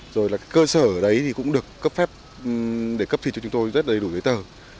rồi là cơ sở đấy cũng được cấp phép để cấp thịt cho chúng tôi rất đầy đủ giới tờ